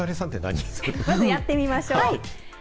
まずやってみましょう。